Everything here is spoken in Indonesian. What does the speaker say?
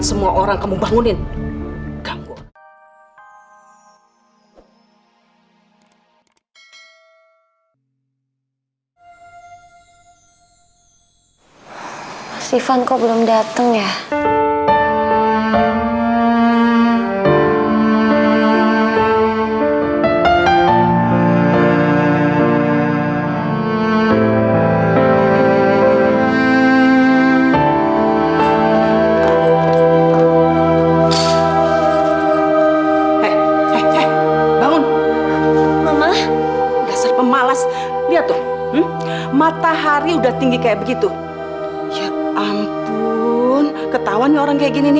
sampai jumpa di video selanjutnya